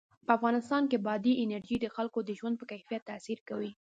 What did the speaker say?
په افغانستان کې بادي انرژي د خلکو د ژوند په کیفیت تاثیر کوي.